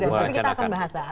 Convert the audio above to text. tapi kita akan bahas lah